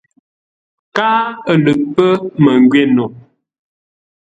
Káa ə̂ lə pə́ məngwě no.